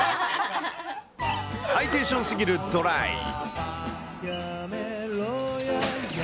ハイテンションすぎるドライブ。